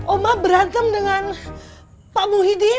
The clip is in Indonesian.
oma beragam dengan pak muhyiddin